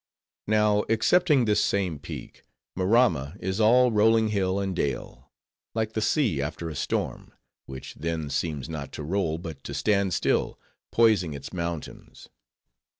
Now, excepting this same peak, Maramma is all rolling hill and dale, like the sea after a storm; which then seems not to roll, but to stand still, poising its mountains.